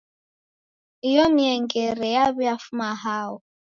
Iyo miengere yaw'iafuma hao?